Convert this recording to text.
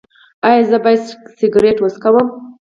ایا زه باید سګرټ وڅکوم؟